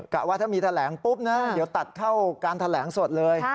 ว่าถ้ามีแถลงปุ๊บนะเดี๋ยวตัดเข้าการแถลงสดเลย